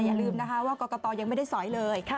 อย่าลืมนะคะว่ากรกตยังไม่ได้สอยเลย